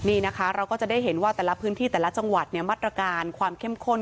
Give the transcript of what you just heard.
นี่นะคะเราก็จะได้เห็นว่าแต่ละพื้นที่แต่ละจังหวัดเนี่ยมาตรการความเข้มข้น